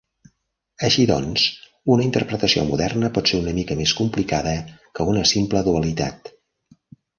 Així doncs, una interpretació moderna pot ser una mica més complicada que una simple dualitat.